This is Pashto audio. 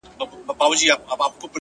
لکه انار دانې، دانې د ټولو مخته پروت يم،